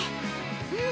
うん。